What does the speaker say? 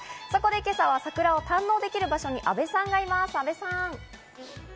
今朝は桜を堪能できる場所に阿部さんがいます。